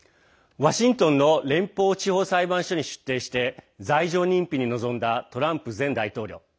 ワシントンの連邦地方裁判所に出廷して罪状認否に臨んだトランプ前大統領。